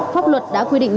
pháp luật đã quy định